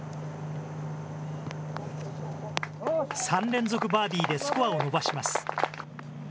３連続バーディーでスコアを伸ばします。